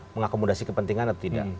mengakomodasi kepentingan atau tidak